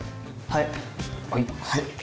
はい。